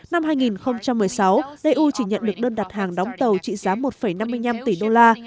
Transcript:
năm hai nghìn một mươi sáu eu chỉ nhận được đơn đặt hàng đóng tàu trị giá một năm mươi năm tỷ đô la